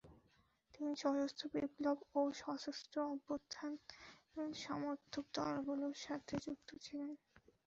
তিনি সশস্ত্র বিপ্লব ও সশস্ত্র অভ্যুত্থানের সমর্থক দলগুলাের সাথে যুক্ত ছিলেন।